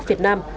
tại việt nam